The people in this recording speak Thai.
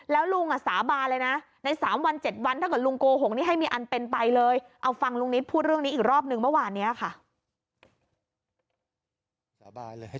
แล้วลุงสาบานเลยนะใน๓วัน๗วัน